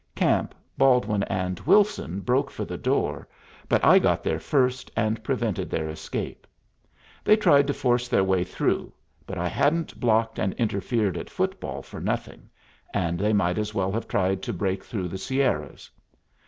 Camp, Baldwin, and Wilson broke for the door, but I got there first, and prevented their escape. They tried to force their way through, but I hadn't blocked and interfered at football for nothing, and they might as well have tried to break through the Sierras.